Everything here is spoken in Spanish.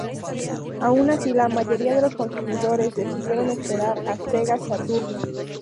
Aun así la mayoría de los consumidores decidieron esperar a Sega Saturn.